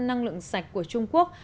năng lượng sạch của trung quốc